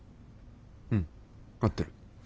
うん合ってる。